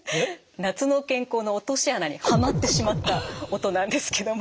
夏の健康の“落とし穴”にはまってしまった音なんですけども。